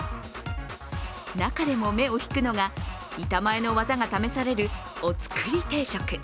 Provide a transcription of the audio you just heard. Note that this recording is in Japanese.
中でも目を引くのが板前の技が試されるお造り定食。